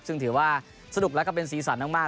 ซึ่งถือว่าสนุกแล้วก็เป็นสีสันมาก